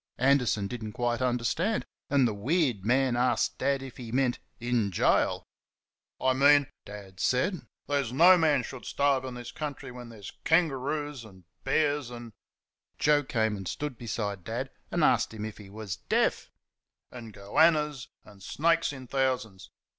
Anderson did n't quite understand, and the weird man asked Dad if he meant "in gaol." "I mean," Dad said, "that no man should starve in this country when there's kangaroos and bears and" (Joe came and stood beside Dad and asked him if he was DEAF) "and goannas and snakes in thousands.